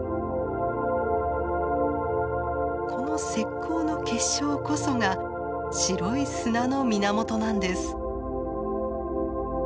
この石こうの結晶こそが白い砂の源なんです。